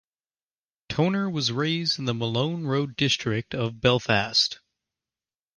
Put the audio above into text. Toner was raised in the Malone Road district of Belfast.